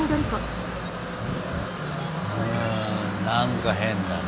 うん何か変だな。